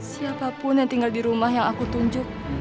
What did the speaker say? siapapun yang tinggal di rumah yang aku tunjuk